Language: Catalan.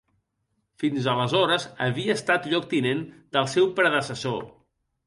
Fins aleshores havia estat lloctinent del seu predecessor.